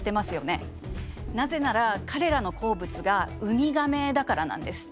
なぜなら彼らの好物がウミガメだからなんです。